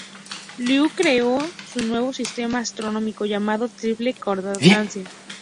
Liu creó un nuevo sistema astronómico, llamado "Triple Concordancia".